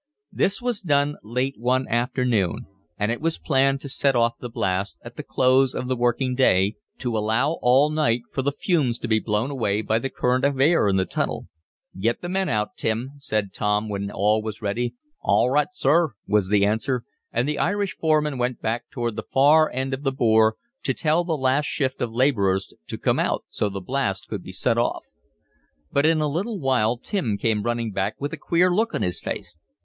This was done late one afternoon, and it was planned to set off the blast at the close of the working day, to allow all night for the fumes to be blown away by the current of air in the tunnel. "Get the men out, Tim," said Tom, when all was ready. "All right, sor," was the answer, and the Irish foreman went back toward the far end of the bore to tell the last shift of laborers to come out so the blast could be set off. But in a little while Tim came running back with a queer look on his face.